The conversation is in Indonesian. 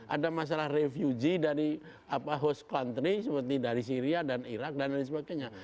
ada masalah refugee dari host country seperti dari syria dan irak dan lain sebagainya